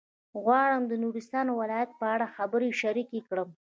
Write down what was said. غواړم د نورستان ولایت په اړه خبرې شریکې کړم.